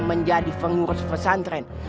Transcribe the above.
menjadi pengurus pesantren